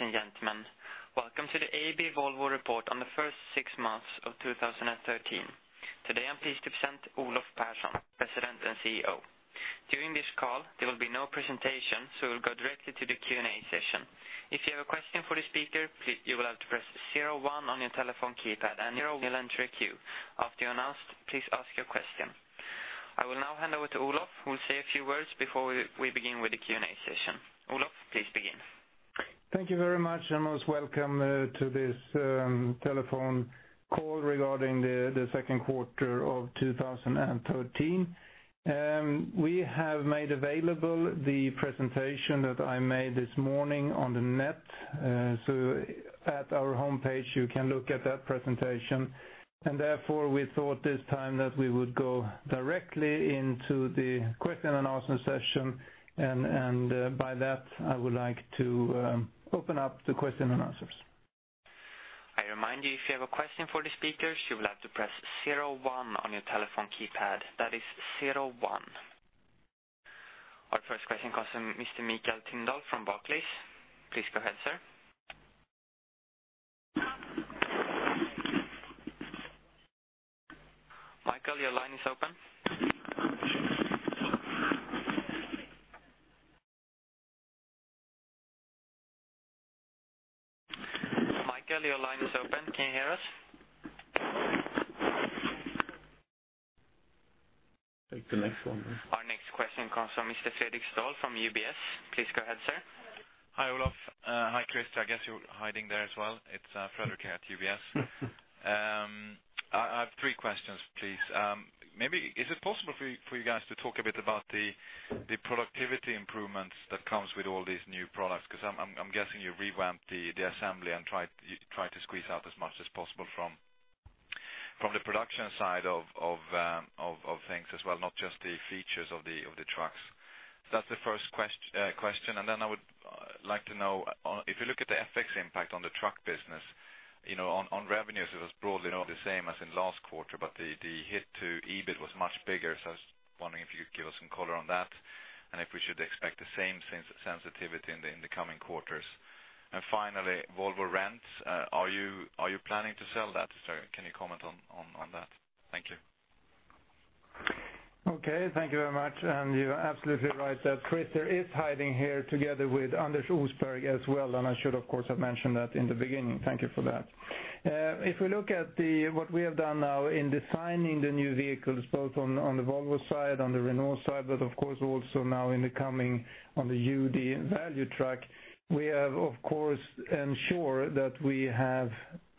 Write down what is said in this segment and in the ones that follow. Ladies and gentlemen, welcome to the AB Volvo report on the first six months of 2013. Today, I'm pleased to present Olof Persson, President and CEO. During this call, there will be no presentation, we'll go directly to the Q&A session. If you have a question for the speaker, you will have to press zero one on your telephone keypad, and you will enter a queue. After you're announced, please ask your question. I will now hand over to Olof, who will say a few words before we begin with the Q&A session. Olof, please begin. Thank you very much, most welcome to this telephone call regarding the second quarter of 2013. We have made available the presentation that I made this morning on the net. At our homepage, you can look at that presentation. By that, I would like to open up to question and answers. I remind you, if you have a question for the speakers, you will have to press zero one on your telephone keypad. That is zero one. Our first question comes from Mr. Mike Tindall from Barclays. Please go ahead, sir. Michael, your line is open. Michael, your line is open. Can you hear us? Take the next one then. Our next question comes from Mr. Fredric Ståhl from UBS. Please go ahead, sir. Hi, Olof. Hi, Christer. I guess you're hiding there as well. It's Fredric here at UBS. I have three questions, please. Maybe, is it possible for you guys to talk a bit about the productivity improvements that comes with all these new products? I'm guessing you revamped the assembly and tried to squeeze out as much as possible from the production side of things as well, not just the features of the trucks. That's the first question. I would like to know, if you look at the FX impact on the truck business, on revenues it was broadly the same as in last quarter, but the hit to EBIT was much bigger. I was wondering if you could give us some color on that, and if we should expect the same sensitivity in the coming quarters. Finally, Volvo Rents. Are you planning to sell that, sir? Can you comment on that? Thank you. Okay, thank you very much. You're absolutely right that Christer is hiding here together with Anders Osberg as well, I should of course have mentioned that in the beginning. Thank you for that. If we look at what we have done now in designing the new vehicles, both on the Volvo side, on the Renault side, but of course also now in the coming on the UD Quester. We have, of course, ensure that we have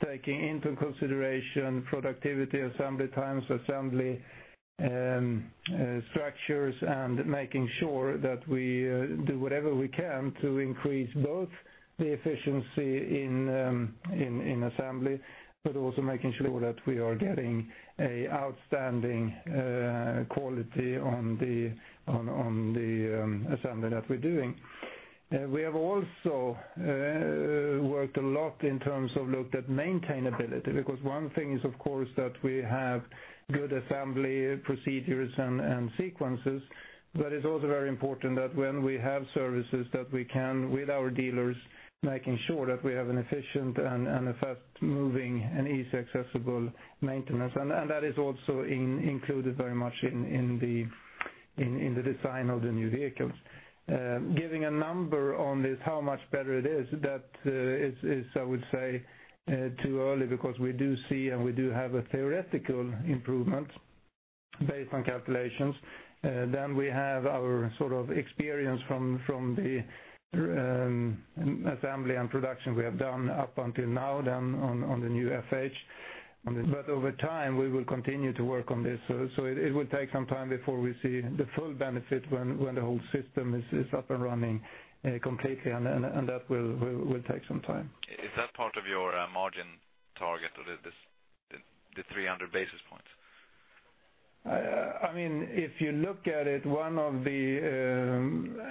taken into consideration productivity, assembly times, assembly structures, and making sure that we do whatever we can to increase both the efficiency in assembly, but also making sure that we are getting a outstanding quality on the assembly that we're doing. We have also worked a lot in terms of looked at maintainability, because one thing is of course that we have good assembly procedures and sequences, but it is also very important that when we have services, that we can with our dealers, making sure that we have an efficient and a fast moving and easy accessible maintenance. That is also included very much in the design of the new vehicles. Giving a number on this, how much better it is, that is, I would say, too early because we do see and we do have a theoretical improvement based on calculations. We have our sort of experience from the assembly and production we have done up until now on the new FH. Over time, we will continue to work on this. It will take some time before we see the full benefit when the whole system is up and running completely, and that will take some time. Is that part of your margin target or the 300 basis points? If you look at it, one of the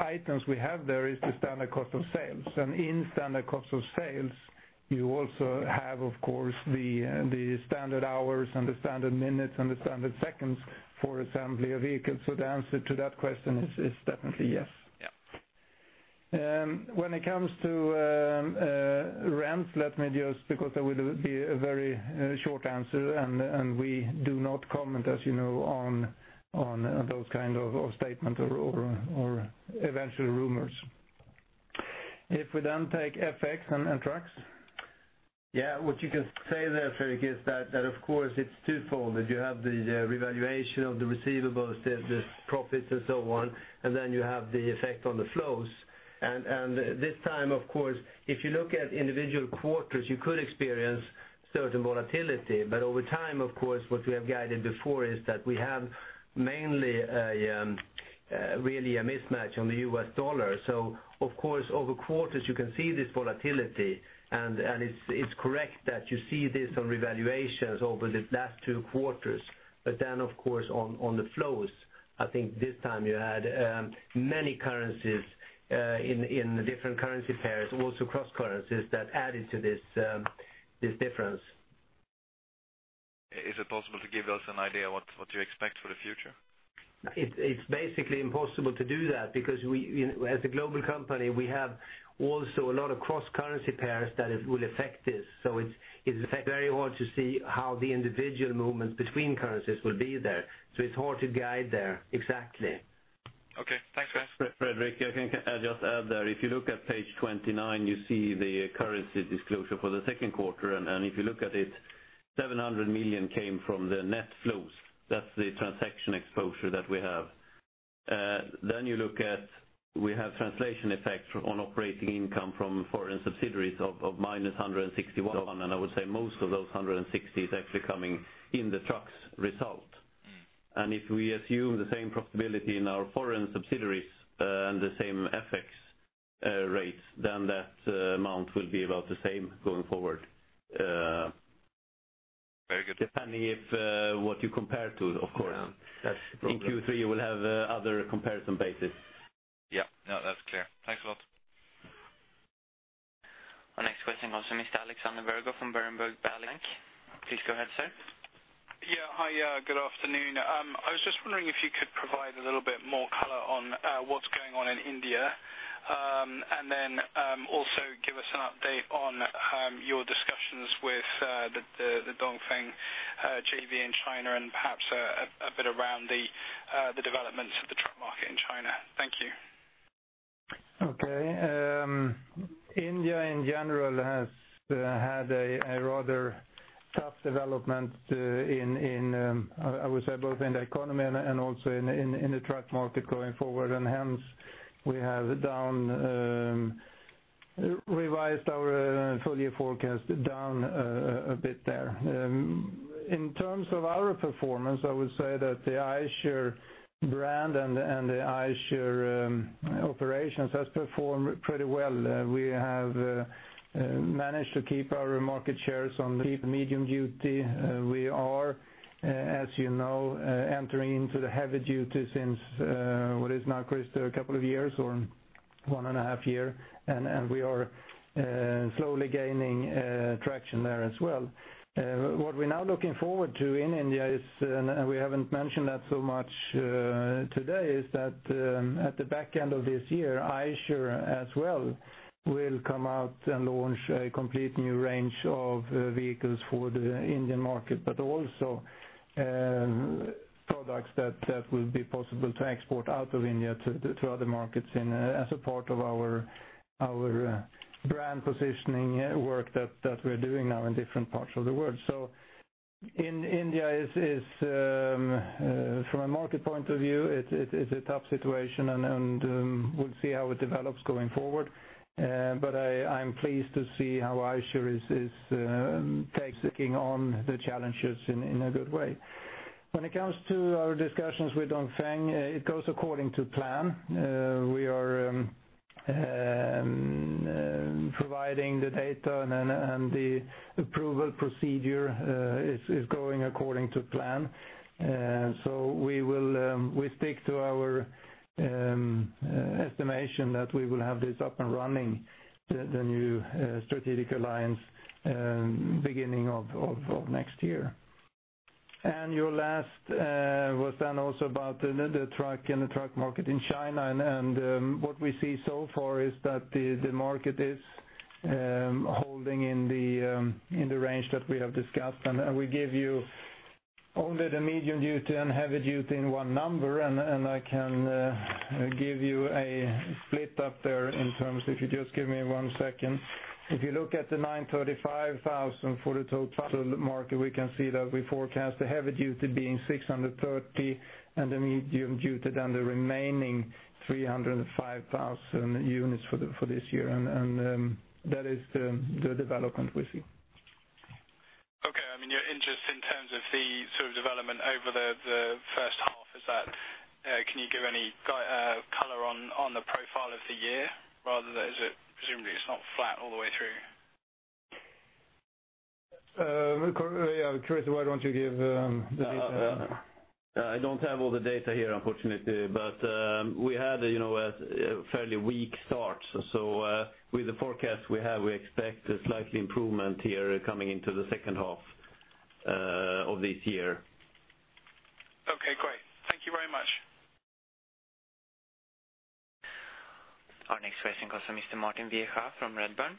items we have there is the standard cost of sales. In standard cost of sales, you also have, of course, the standard hours and the standard minutes and the standard seconds for assembly of vehicles. The answer to that question is definitely yes. Yeah. When it comes to rent, let me just, because that would be a very short answer, and we do not comment, as you know, on those kind of statement or eventually rumors. If we take FX and trucks. Yeah, what you can say there, Fredric, is that of course it's twofold. That you have the revaluation of the receivables, there's profits and so on, and then you have the effect on the flows. This time, of course, if you look at individual quarters, you could experience certain volatility. Over time, of course, what we have guided before is that we have mainly really a mismatch on the US dollar. Of course, over quarters you can see this volatility, and it's correct that you see this on revaluations over the last two quarters. Of course, on the flows, I think this time you had many currencies in the different currency pairs, also cross currencies that added to this difference. Is it possible to give us an idea what you expect for the future? It's basically impossible to do that because, as a global company, we have also a lot of cross-currency pairs that will affect this. It's very hard to see how the individual movements between currencies will be there. It's hard to guide there exactly. Okay. Thanks, guys. Fredric, I think I'll just add there, if you look at page 29, you see the currency disclosure for the second quarter. If you look at it, 700 million came from the net flows. That's the transaction exposure that we have. You look at, we have translation effects on operating income from foreign subsidiaries of minus 161. I would say most of those 160 is actually coming in the Trucks result. If we assume the same profitability in our foreign subsidiaries, and the same FX rates, that amount will be about the same going forward. Very good. Depending if, what you compare to, of course. Yeah. That's the problem. In Q3, you will have other comparison basis. Yeah. No, that's clear. Thanks a lot. Our next question comes from Mr. Alexander Virgo from Berenberg Bank. Please go ahead, sir. Yeah. Hi, good afternoon. I was just wondering if you could provide a little bit more color on what's going on in India, and then also give us an update on your discussions with the Dongfeng JV in China and perhaps a bit around the developments of the truck market in China. Thank you. Okay. India in general has had a rather tough development in, I would say, both in the economy and also in the truck market going forward, and hence we have revised our full year forecast down a bit there. In terms of our performance, I would say that the Eicher brand and the Eicher operations has performed pretty well. We have managed to keep our market shares on medium duty. We are, as you know, entering into the heavy duty since, what is now, Chris, a couple of years or one and a half year, and we are slowly gaining traction there as well. What we're now looking forward to in India is, and we haven't mentioned that so much today is that, at the back end of this year, Eicher as well will come out and launch a complete new range of vehicles for the Indian market. Also products that will be possible to export out of India to other markets as a part of our brand positioning work that we're doing now in different parts of the world. India is, from a market point of view, it is a tough situation and we'll see how it develops going forward. I'm pleased to see how Eicher is taking on the challenges in a good way. When it comes to our discussions with Dongfeng, it goes according to plan. We are providing the data and the approval procedure is going according to plan. We stick to our estimation that we will have this up and running, the new strategic alliance, beginning of next year. Your last was also about the truck and the truck market in China. What we see so far is that the market is holding in the range that we have discussed. We give you only the medium duty and heavy duty in one number. I can give you a split up there in terms, if you just give me one second. If you look at the 935,000 for the total truck market, we can see that we forecast the heavy duty being 630 and the medium duty the remaining 305,000 units for this year. That is the development we see. Okay. In just in terms of the sort of development over the first half is that, can you give any color on the profile of the year rather than, presumably it's not flat all the way through? Chris, why don't you give the data? I don't have all the data here, unfortunately. We had a fairly weak start. With the forecast we have, we expect a slight improvement here coming into the second half of this year. Okay, great. Thank you very much. Our next question goes to Mr. Martin Viecha from Redburn.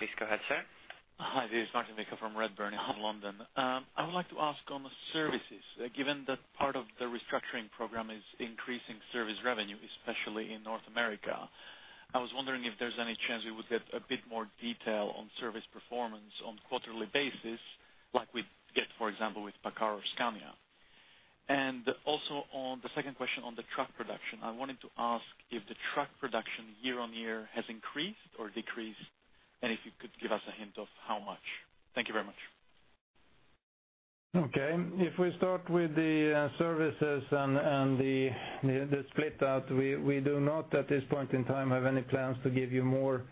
Please go ahead, sir. Hi, this is Martin Viecha from Redburn in London. I would like to ask on the services, given that part of the restructuring program is increasing service revenue, especially in North America, I was wondering if there's any chance we would get a bit more detail on service performance on quarterly basis, like we get, for example, with Paccar or Scania. Also on the second question on the truck production, I wanted to ask if the truck production year-on-year has increased or decreased, and if you could give us a hint of how much. Thank you very much. Okay. If we start with the services and the split out, we do not at this point in time have any plans to give you more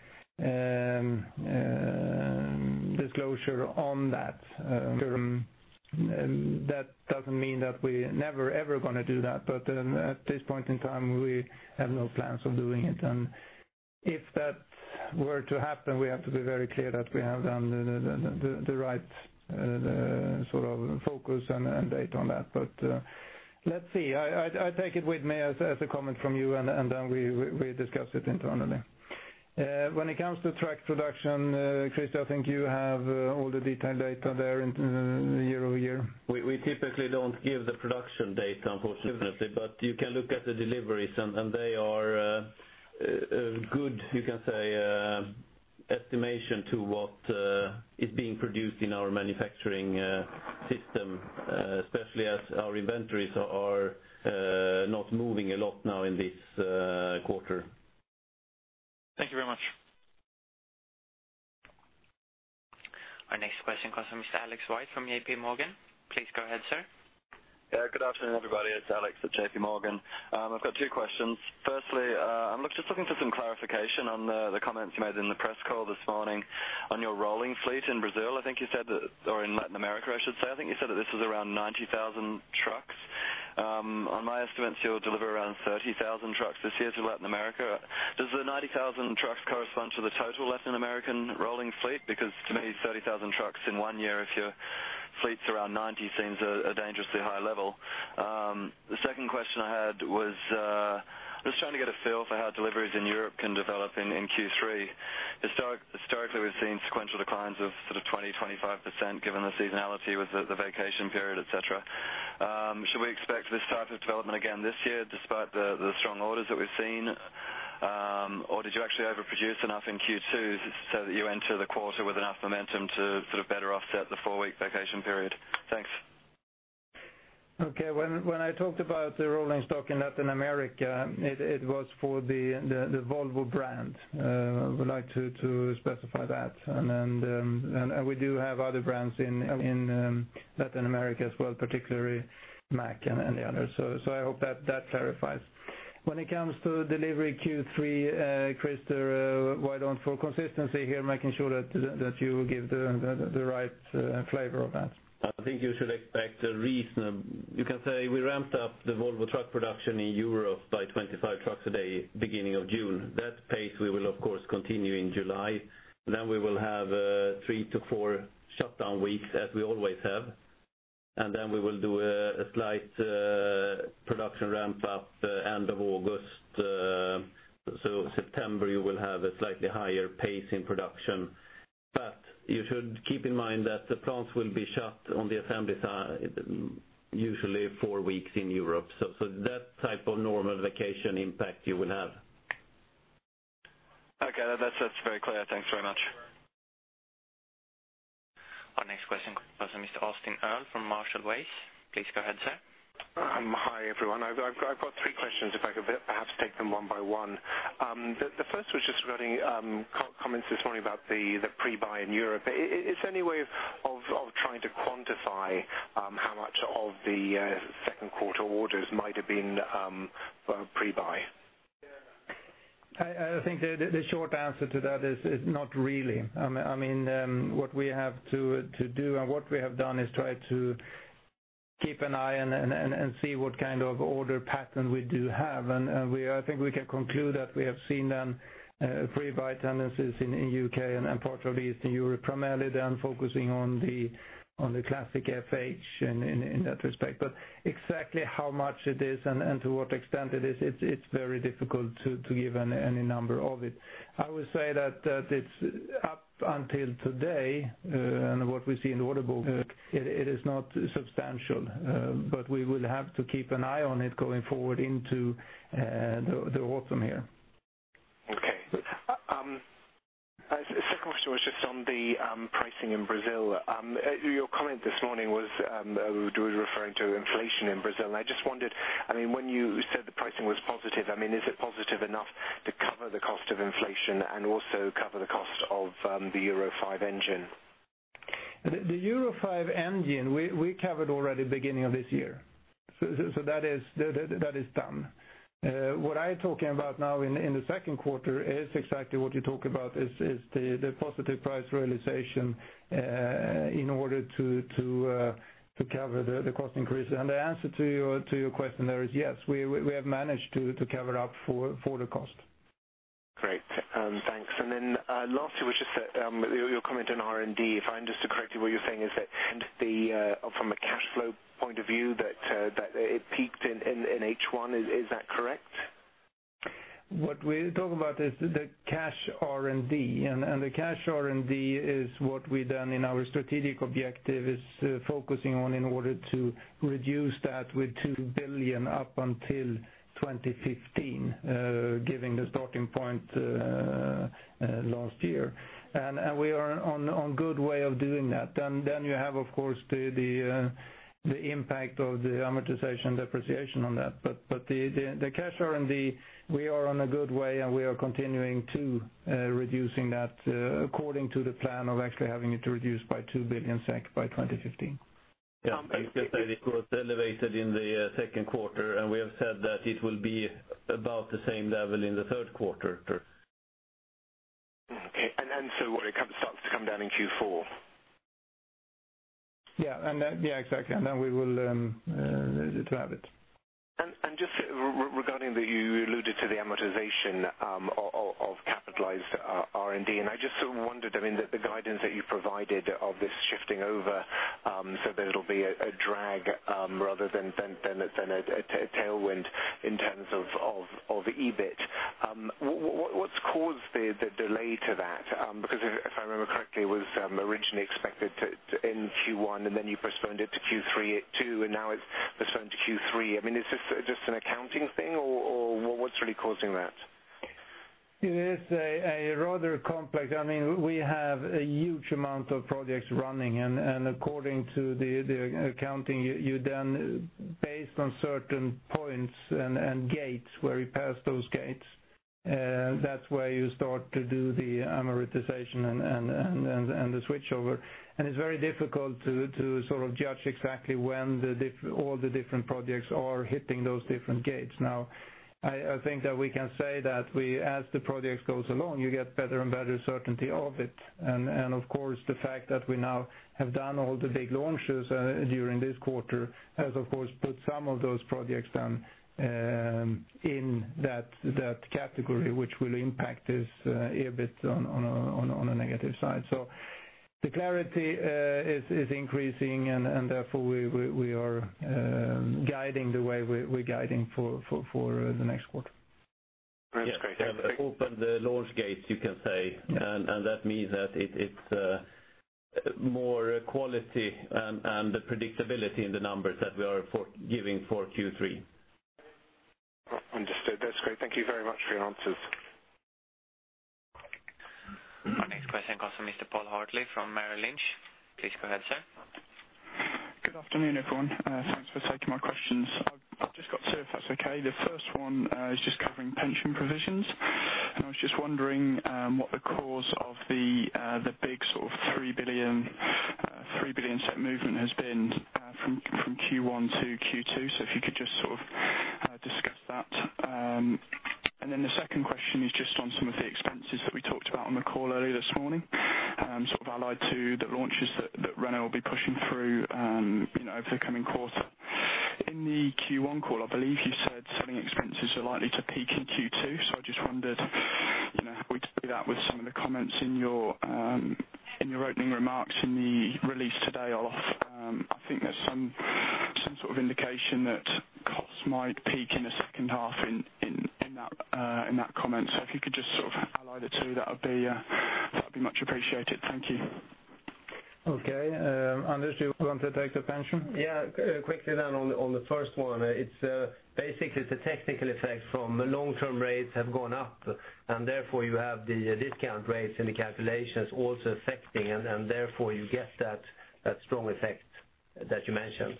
disclosure on that. That doesn't mean that we never ever going to do that, but at this point in time, we have no plans of doing it. If that were to happen, we have to be very clear that we have done the right sort of focus and date on that. Let's see. I take it with me as a comment from you, then we discuss it internally. When it comes to truck production, Christer, I think you have all the detailed data there in year-over-year. We typically don't give the production data, unfortunately. Sure. You can look at the deliveries, and they are good, you can say, estimation to what is being produced in our manufacturing system, especially as our inventories are not moving a lot now in this quarter. Thank you very much. Our next question comes from Mr. Alex White from JPMorgan. Please go ahead, sir. Yeah, good afternoon, everybody. It's Alex at JPMorgan. I've got two questions. Firstly, I'm just looking for some clarification on the comments you made in the press call this morning on your rolling fleet in Brazil. I think you said that, or in Latin America, I should say. I think you said that this was around 90,000 trucks. On my estimates, you'll deliver around 30,000 trucks this year to Latin America. Does the 90,000 trucks correspond to the total Latin American rolling fleet? Because to me, 30,000 trucks in one year if your fleet's around 90 seems a dangerously high level. The second question I had was, just trying to get a feel for how deliveries in Europe can develop in Q3. Historically, we've seen sequential declines of sort of 20%, 25%, given the seasonality with the vacation period, et cetera. Should we expect this type of development again this year, despite the strong orders that we've seen? Or did you actually overproduce enough in Q2 so that you enter the quarter with enough momentum to sort of better offset the four-week vacation period? Thanks. Okay, when I talked about the rolling stock in Latin America, it was for the Volvo brand. Would like to specify that. We do have other brands in Latin America as well, particularly Mack and the others. I hope that clarifies. When it comes to delivery Q3, Christer, why don't for consistency here, making sure that you give the right flavor of that? I think you should expect you can say we ramped up the Volvo truck production in Europe by 25 trucks a day beginning of June. That pace will of course continue in July. We will have three to four shutdown weeks as we always have, we will do a slight production ramp up end of August. September, you will have a slightly higher pace in production. You should keep in mind that the plants will be shut on the assembly side, usually four weeks in Europe. That type of normal vacation impact you will have. Okay. That's very clear. Thanks very much. Our next question comes from Mr. Austin Earl from Marshall Wace. Please go ahead, sir. Hi, everyone. I've got three questions, if I could perhaps take them one by one. The first was just regarding comments this morning about the pre-buy in Europe. Is there any way of trying to quantify how much of the second quarter orders might have been pre-buy? I think the short answer to that is not really. What we have to do and what we have done is try to keep an eye and see what kind of order pattern we do have. I think we can conclude that we have seen pre-buy tendencies in U.K. and parts of Eastern Europe, primarily then focusing on the classic FH in that respect. Exactly how much it is and to what extent it is, it's very difficult to give any number of it. I would say that up until today, and what we see in the order book, it is not substantial. We will have to keep an eye on it going forward into the autumn here. Okay. Second question was just on the pricing in Brazil. Your comment this morning was referring to inflation in Brazil, I just wondered, when you said the pricing was positive, is it positive enough to cover the cost of inflation and also cover the cost of the Euro 5 engine? The Euro 5 engine, we covered already beginning of this year. That is done. What I am talking about now in the second quarter is exactly what you talk about, is the positive price realization in order to cover the cost increase. The answer to your question there is yes, we have managed to cover up for the cost. Great. Thanks. Lastly was just your comment on R&D. If I understood correctly, what you're saying is that from a cash flow point of view, that it peaked in H1, is that correct? What we talk about is the cash R&D, the cash R&D is what we done in our strategic objective is focusing on in order to reduce that with 2 billion up until 2015, giving the starting point last year. We are on good way of doing that. You have, of course, the impact of the amortization depreciation on that. The cash R&D, we are on a good way, and we are continuing to reducing that according to the plan of actually having it reduced by 2 billion SEK by 2015. Yeah, I think that it was elevated in the second quarter, we have said that it will be about the same level in the third quarter. Okay. It starts to come down in Q4? Yeah, exactly, we will have it. Just regarding that you alluded to the amortization of capitalized R&D, I just wondered, the guidance that you provided of this shifting over so that it'll be a drag rather than a tailwind in terms of EBIT. What's caused the delay to that? Because if I remember correctly, it was originally expected to end Q1, then you postponed it to Q3, and now it's postponed to Q3. Is this just an accounting thing, or what's really causing that? It is rather complex. We have a huge amount of projects running, according to the accounting, you then, based on certain points and gates, where you pass those gates, that's where you start to do the amortization and the switchover. It's very difficult to judge exactly when all the different projects are hitting those different gates. I think that we can say that as the project goes along, you get better and better certainty of it. Of course, the fact that we now have done all the big launches during this quarter has, of course, put some of those projects then in that category, which will impact this EBIT on a negative side. The clarity is increasing, therefore, we are guiding the way we're guiding for the next quarter. That's great. Thank you. Open the launch gate, you can say, and that means that it's more quality and the predictability in the numbers that we are giving for Q3. Understood. That's great. Thank you very much for your answers. Our next question comes from Mr. Paul Hartley from Merrill Lynch. Please go ahead, sir. Good afternoon, everyone. Thanks for taking my questions. I've just got two, if that's okay. The first one is just covering pension provisions. I was just wondering what the cause of the big 3 billion movement has been from Q1 to Q2. If you could just discuss that. The second question is just on some of the expenses that we talked about on the call earlier this morning, allied to the launches that Renault will be pushing through over the coming quarter. In the Q1 call, I believe you said selling expenses are likely to peak in Q2, I just wondered, are we to do that with some of the comments in your opening remarks in the release today, Olof? I think there's some sort of indication that costs might peak in the second half in that comment. If you could just ally the two, that'd be much appreciated. Thank you. Okay. Anders, do you want to take the pension? Yeah. Quickly then on the first one, it's basically the technical effect from long-term rates have gone up, and therefore you have the discount rates and the calculations also affecting, and therefore you get that strong effect that you mentioned.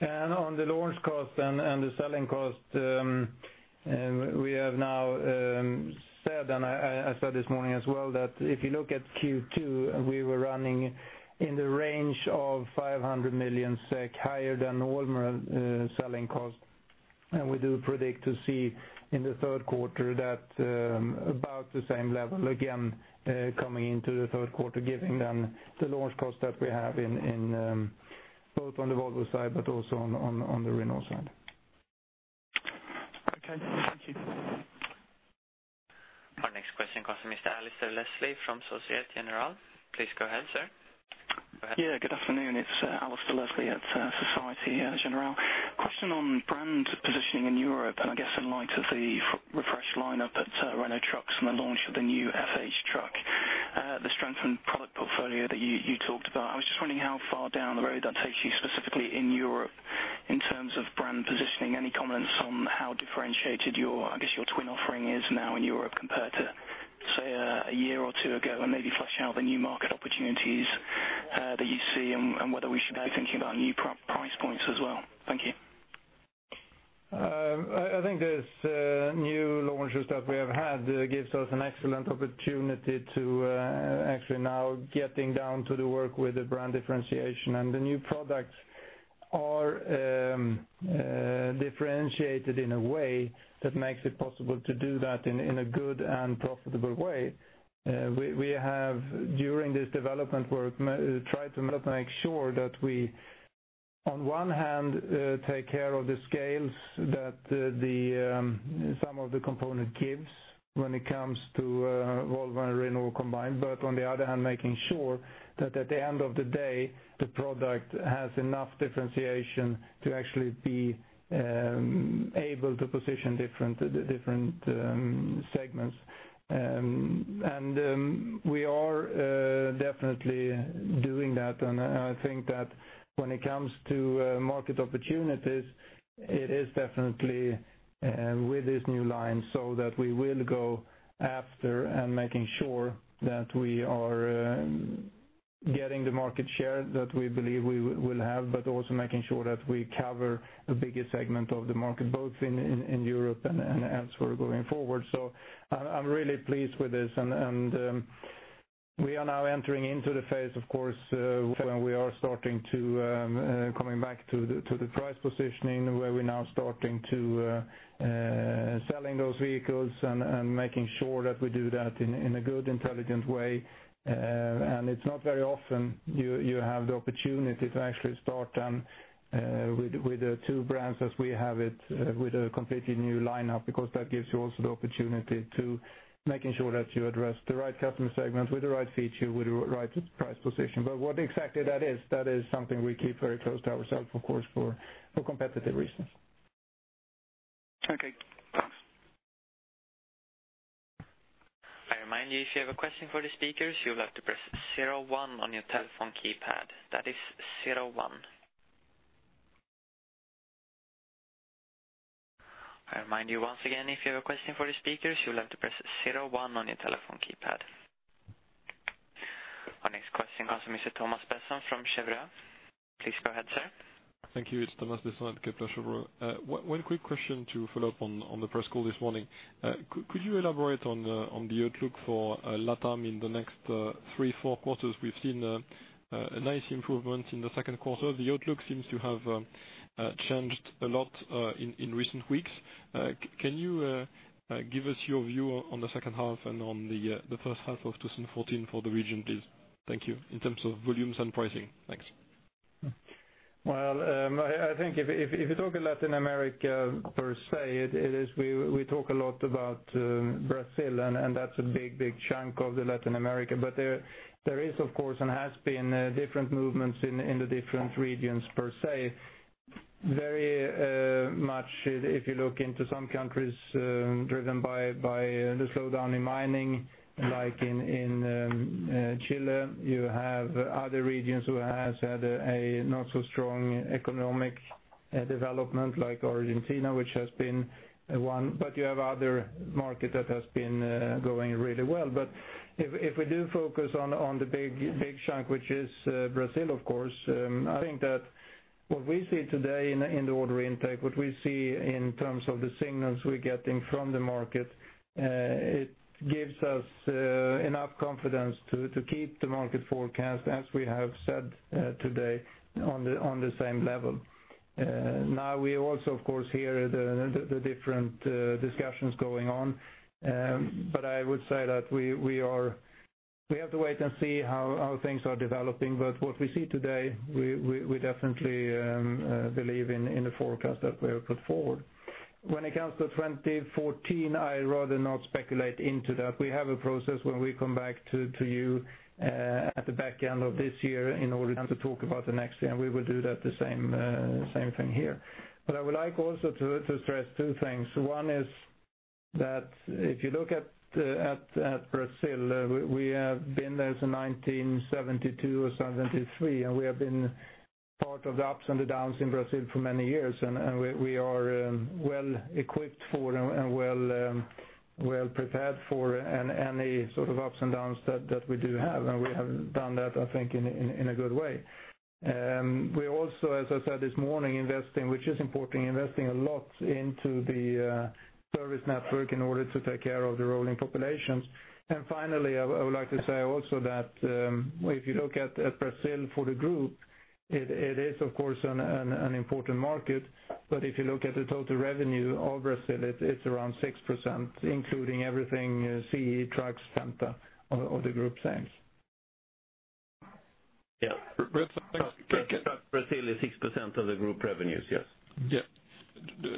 On the launch cost and the selling cost, we have now said, and I said this morning as well, that if you look at Q2, we were running in the range of 500 million SEK, higher than normal selling cost. We do predict to see in the third quarter that about the same level again coming into the third quarter, given then the launch cost that we have both on the Volvo side, but also on the Renault side. Okay, thank you. Our next question comes from Mr. Alasdair Leslie from Societe Generale. Please go ahead, sir. Yeah, good afternoon. It's Alasdair Leslie at Societe Generale. Question on brand positioning in Europe, I guess in light of the refresh lineup at Renault Trucks and the launch of the new FH truck, the strengthened product portfolio that you talked about. I was just wondering how far down the road that takes you specifically in Europe in terms of brand positioning. Any comments on how differentiated your, I guess, your twin offering is now in Europe compared to, say, a year or two ago? Maybe flesh out the new market opportunities that you see and whether we should be thinking about new price points as well. Thank you. I think these new launches that we have had gives us an excellent opportunity to actually now getting down to the work with the brand differentiation. The new products are differentiated in a way that makes it possible to do that in a good and profitable way. We have, during this development work, tried to make sure that we, on one hand, take care of the scales that some of the component gives when it comes to Volvo and Renault combined, but on the other hand, making sure that at the end of the day, the product has enough differentiation to actually be able to position different segments. We are definitely doing that, and I think that when it comes to market opportunities, it is definitely with this new line, so that we will go after and making sure that we are getting the market share that we believe we will have, but also making sure that we cover the biggest segment of the market, both in Europe and as we're going forward. I'm really pleased with this and we are now entering into the phase, of course, when we are starting to come back to the price positioning, where we're now starting to sell those vehicles and making sure that we do that in a good, intelligent way. It's not very often you have the opportunity to actually start with two brands as we have it, with a completely new lineup, because that gives you also the opportunity to make sure that you address the right customer segment with the right feature, with the right price position. What exactly that is, that is something we keep very close to ourselves, of course, for competitive reasons. Okay. Thanks. I remind you, if you have a question for the speakers, you'll have to press 01 on your telephone keypad. That is 01. I remind you once again, if you have a question for the speakers, you'll have to press 01 on your telephone keypad. Our next question comes from Mr. Thomas Besson from Cheuvreux. Please go ahead, sir. Thank you. It's Thomas Besson at Kepler Cheuvreux. One quick question to follow up on the press call this morning. Could you elaborate on the outlook for LatAm in the next 3, 4 quarters? We've seen a nice improvement in the second quarter. The outlook seems to have changed a lot in recent weeks. Can you give us your view on the second half and on the first half of 2014 for the region, please? Thank you. In terms of volumes and pricing. Thanks. I think if you talk Latin America per se, we talk a lot about Brazil, and that's a big, big chunk of Latin America. There is, of course, and has been different movements in the different regions per se. Very much, if you look into some countries driven by the slowdown in mining, like in Chile, you have other regions who has had a not so strong economic development like Argentina, which has been one, you have other market that has been going really well. If we do focus on the big chunk, which is Brazil, of course, I think that what we see today in the order intake, what we see in terms of the signals we're getting from the market, it gives us enough confidence to keep the market forecast, as we have said today, on the same level. We also, of course, hear the different discussions going on. I would say that we have to wait and see how things are developing. What we see today, we definitely believe in the forecast that we have put forward. When it comes to 2014, I rather not speculate into that. We have a process when we come back to you at the back end of this year in order to talk about the next year, and we will do that the same thing here. I would like also to stress 2 things. One is that if you look at Brazil, we have been there since 1972 or 1973, we have been part of the ups and the downs in Brazil for many years, we are well equipped for and well prepared for any sort of ups and downs that we do have, we have done that, I think, in a good way. We also, as I said this morning, investing, which is important, a lot into the service network in order to take care of the rolling populations. Finally, I would like to say also that if you look at Brazil for the group, it is, of course, an important market. If you look at the total revenue of Brazil, it's around 6%, including everything, CE, trucks, Penta of the group sales. Yeah. Thanks. Brazil is 6% of the group revenues, yes. Yeah.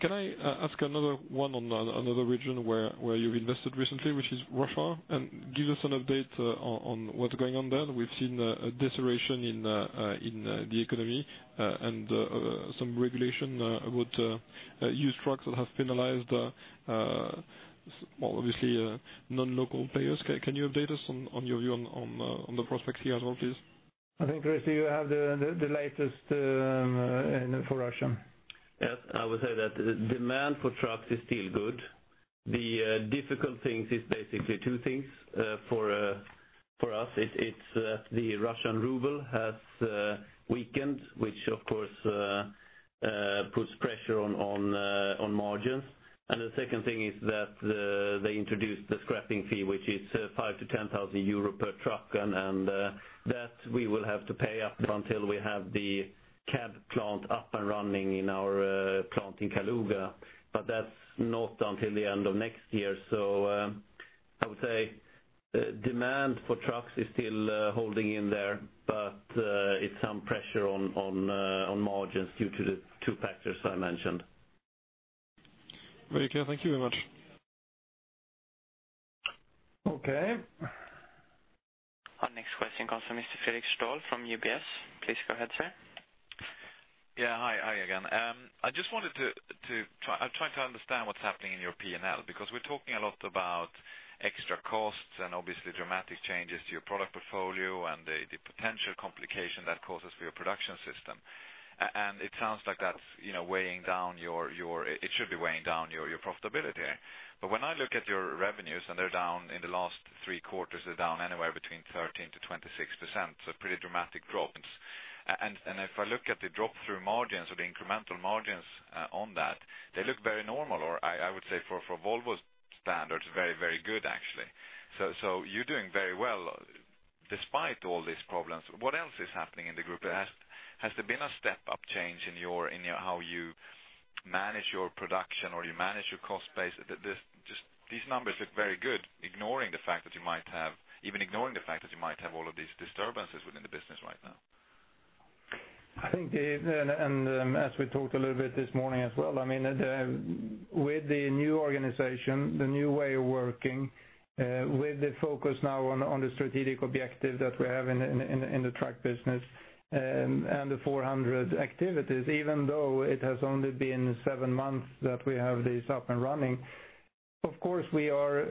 Can I ask another one on another region where you've invested recently, which is Russia? Give us an update on what's going on there. We've seen a deterioration in the economy and some regulation about used trucks that have penalized, obviously, non-local players. Can you update us on your view on the prospects here as well, please? I think, Christer, you have the latest for Russia. Yes, I would say that demand for trucks is still good. The difficult thing is basically two things for us. It's that the Russian ruble has weakened, which, of course, puts pressure on margins. The second thing is that they introduced the scrapping fee, which is 5,000-10,000 euro per truck, and that we will have to pay up until we have the cab plant up and running in our plant in Kaluga. That's not until the end of next year. I would say demand for trucks is still holding in there, but it's some pressure on margins due to the two factors I mentioned. Very clear. Thank you very much. Okay. Our next question comes from Mr. Fredric Stahl from UBS. Please go ahead, sir. Hi again. I'm trying to understand what's happening in your P&L because we're talking a lot about extra costs and obviously dramatic changes to your product portfolio and the potential complication that causes for your production system. It sounds like that's weighing down your profitability. When I look at your revenues, they're down in the last three quarters, they're down anywhere between 13%-26%, pretty dramatic drops. If I look at the drop-through margins or the incremental margins on that, they look very normal or I would say for Volvo's standards very, very good actually. You're doing very well despite all these problems. What else is happening in the group? Has there been a step-up change in how you manage your production or you manage your cost base? These numbers look very good, even ignoring the fact that you might have all of these disturbances within the business right now. I think, as we talked a little bit this morning as well, with the new organization, the new way of working, with the focus now on the strategic objective that we have in the truck business and the 400 activities, even though it has only been seven months that we have this up and running, of course, we are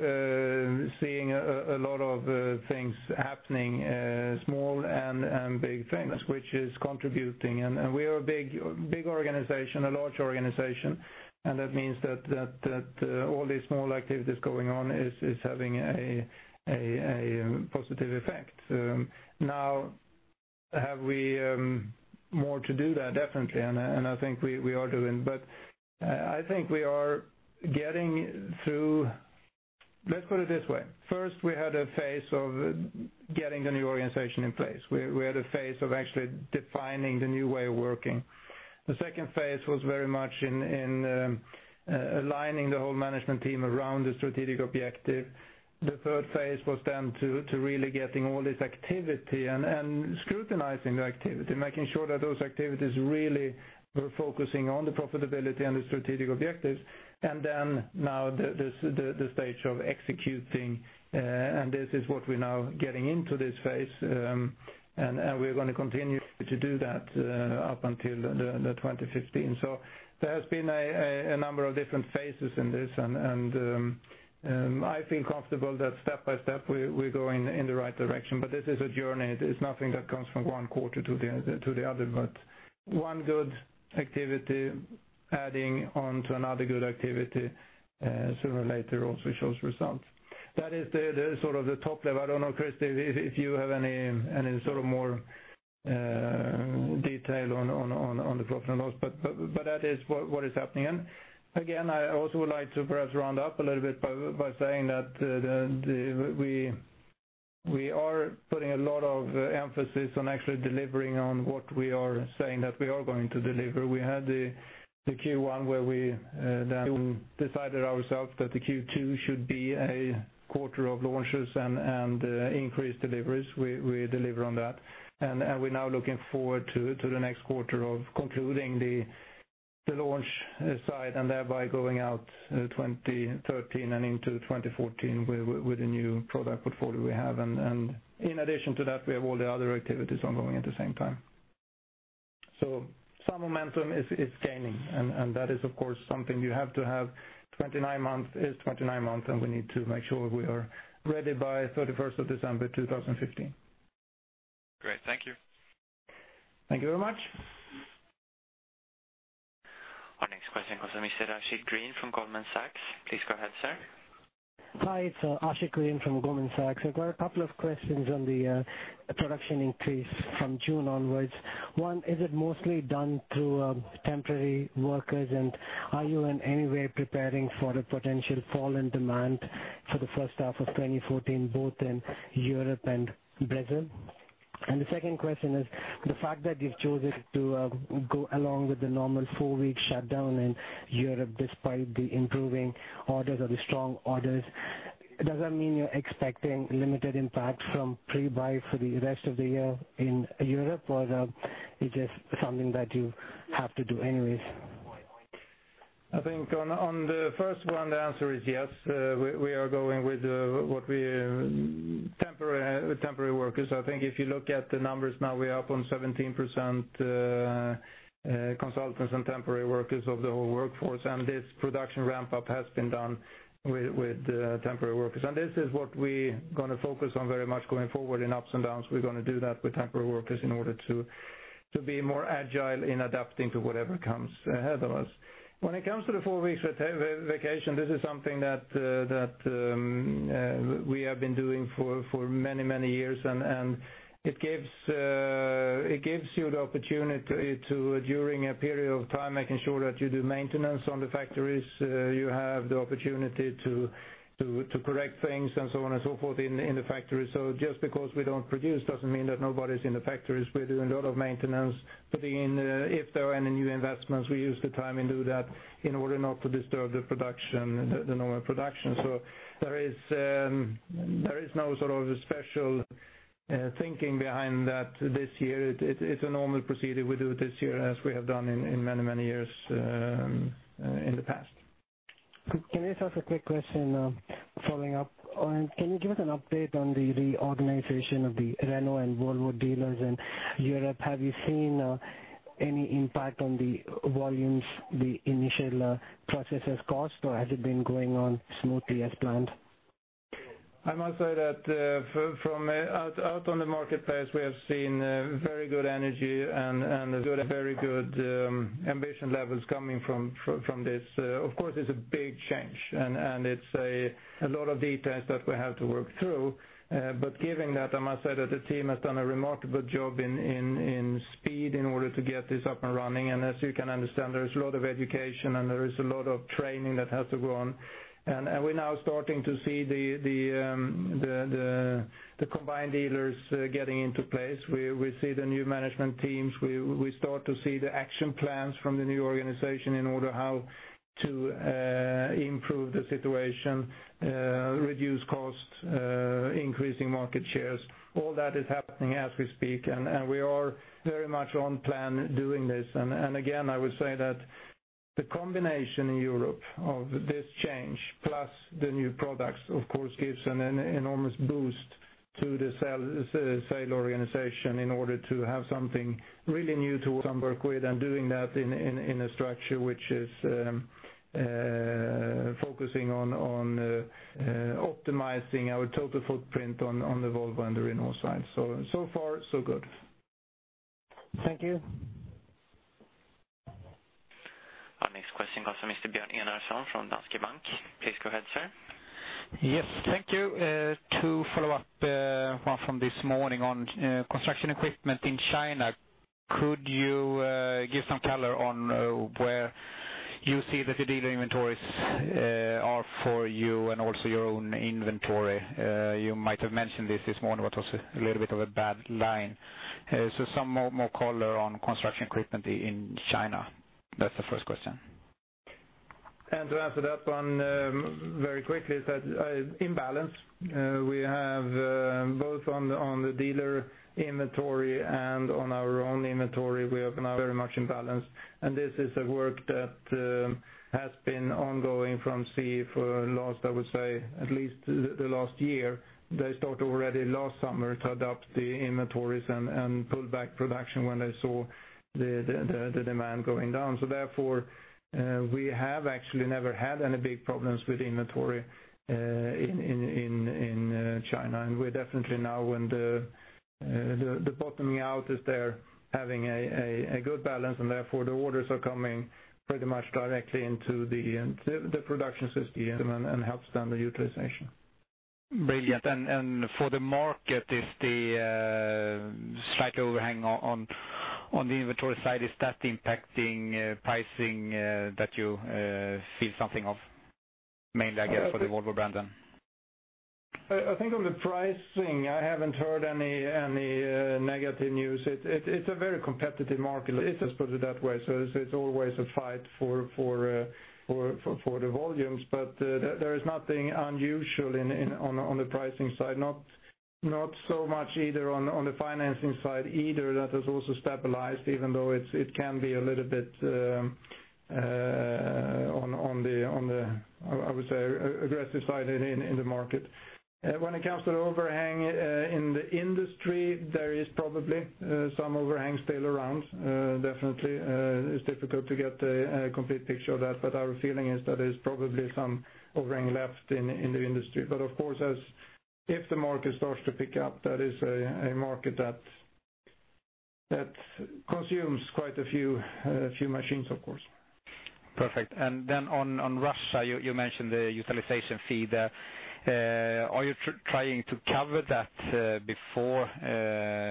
seeing a lot of things happening, small and big things, which is contributing. We are a big organization, a large organization, that means that all these small activities going on is having a positive effect. Now, have we more to do there? Definitely, I think we are doing, I think we are getting through. Let's put it this way. First, we had a phase of getting the new organization in place. We had a phase of actually defining the new way of working. The second phase was very much in aligning the whole management team around the strategic objective. The third phase was then to really getting all this activity and scrutinizing the activity, making sure that those activities really were focusing on the profitability and the strategic objectives. Then now the stage of executing, this is what we're now getting into this phase. We're going to continue to do that up until 2015. There has been a number of different phases in this, I feel comfortable that step by step, we're going in the right direction. This is a journey. It's nothing that comes from one quarter to the other, one good activity adding on to another good activity sooner or later also shows results. That is the sort of the top level. I don't know, Chris, if you have any sort of more detail on the profit and loss, that is what is happening. Again, I also would like to perhaps round up a little bit by saying that we are putting a lot of emphasis on actually delivering on what we are saying that we are going to deliver. We had the Q1 where we then decided ourselves that the Q2 should be a quarter of launches and increased deliveries. We deliver on that. We're now looking forward to the next quarter of concluding the launch side thereby going out 2013 and into 2014 with the new product portfolio we have. In addition to that, we have all the other activities ongoing at the same time. Some momentum is gaining, that is, of course, something you have to have. 29 months is 29 months, we need to make sure we are ready by 31st of December 2015. Great. Thank you. Thank you very much. Our next question comes from Mr. Ashik Kurian from Goldman Sachs. Please go ahead, sir. Hi, it's Ashik Karim from Goldman Sachs. I've got a couple of questions on the production increase from June onwards. One, is it mostly done through temporary workers, and are you in any way preparing for a potential fall in demand for the first half of 2014, both in Europe and Brazil? The second question is the fact that you've chosen to go along with the normal four-week shutdown in Europe despite the improving orders or the strong orders, does that mean you're expecting limited impact from pre-buy for the rest of the year in Europe, or is this something that you have to do anyway? I think on the first one, the answer is yes. We are going with temporary workers. I think if you look at the numbers now, we are up on 17% consultants and temporary workers of the whole workforce, and this production ramp-up has been done with temporary workers. This is what we are going to focus on very much going forward in ups and downs. We're going to do that with temporary workers in order to be more agile in adapting to whatever comes ahead of us. When it comes to the four weeks vacation, this is something that we have been doing for many, many years, and it gives you the opportunity to, during a period of time, making sure that you do maintenance on the factories. You have the opportunity to correct things and so on and so forth in the factory. Just because we don't produce doesn't mean that nobody's in the factories. We're doing a lot of maintenance. If there are any new investments, we use the time and do that in order not to disturb the normal production. There is no sort of special thinking behind that this year. It's a normal procedure. We do it this year as we have done in many, many years in the past. Can I just ask a quick question following up? Can you give us an update on the reorganization of the Renault and Volvo dealers in Europe? Have you seen any impact on the volumes the initial processes cost, or has it been going on smoothly as planned? I must say that out on the marketplace, we have seen very good energy and very good ambition levels coming from this. Of course, it's a big change, and it's a lot of details that we have to work through. Given that, I must say that the team has done a remarkable job in speed in order to get this up and running. As you can understand, there is a lot of education and there is a lot of training that has to go on. We're now starting to see the combined dealers getting into place. We see the new management teams. We start to see the action plans from the new organization in order how to improve the situation, reduce costs, increasing market shares. All that is happening as we speak, and we are very much on plan doing this. I would say that the combination in Europe of this change, plus the new products, of course, gives an enormous boost to the sales organization in order to have something really new to work with, and doing that in a structure which is focusing on optimizing our total footprint on the Volvo and the Renault side. So far so good. Thank you. Our next question comes from Mr. Björn Enarson from Danske Bank. Please go ahead, sir. Yes. Thank you. To follow up, one from this morning on construction equipment in China, could you give some color on where you see that the dealer inventories are for you and also your own inventory? You might have mentioned this this morning, but also a little bit of a bad line. Some more color on construction equipment in China. That's the first question. To answer that one very quickly is that in balance, we have both on the dealer inventory and on our own inventory, we are now very much in balance. This is a work that has been ongoing from CE for last, I would say, at least the last year. They start already last summer to adapt the inventories and pull back production when they saw the demand going down. Therefore, we have actually never had any big problems with inventory in China. We're definitely now, when the bottoming out is there, having a good balance, and therefore the orders are coming pretty much directly into the production system and helps them the utilization. Brilliant. For the market, is the stock overhang on the inventory side, is that impacting pricing that you feel something of? Mainly, I guess, for the Volvo brand then. I think on the pricing, I haven't heard any negative news. It's a very competitive market, let's just put it that way. It's always a fight for the volumes. There is nothing unusual on the pricing side. Not so much either on the financing side, either that has also stabilized, even though it can be a little bit on the, I would say, aggressive side in the market. When it comes to the overhang in the industry, there is probably some overhang still around. Definitely, it's difficult to get a complete picture of that, but our feeling is that there's probably some overhang left in the industry. Of course, if the market starts to pick up, that is a market that consumes quite a few machines, of course. Perfect. Then on Russia, you mentioned the utilization fee. Are you trying to cover that before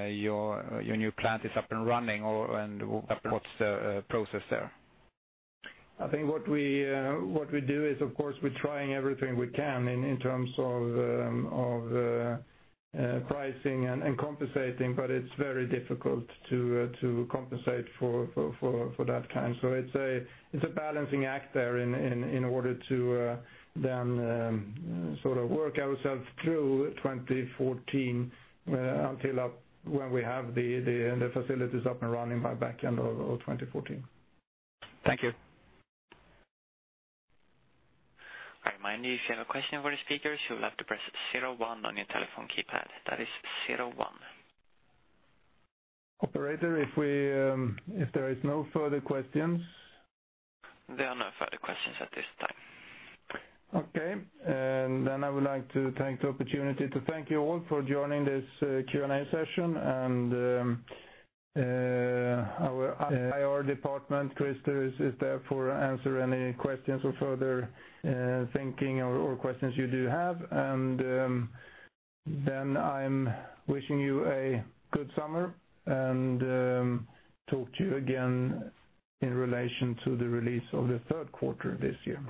your new plant is up and running, and what's the process there? I think what we do is, of course, we're trying everything we can in terms of pricing and compensating, but it's very difficult to compensate for that kind. It's a balancing act there in order to then sort of work ourselves through 2014, until up when we have the facilities up and running by back end of 2014. Thank you. I remind you, if you have a question for the speakers, you'll have to press zero one on your telephone keypad. That is zero one. Operator, if there is no further questions? There are no further questions at this time. Okay. I would like to take the opportunity to thank you all for joining this Q&A session. Our IR department, Christer, is there for answer any questions or further thinking or questions you do have. I'm wishing you a good summer and talk to you again in relation to the release of the third quarter this year.